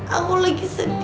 aku lagi sedih